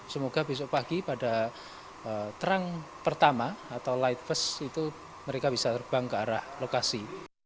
semoga besok pagi pada terang pertama atau light fist itu mereka bisa terbang ke arah lokasi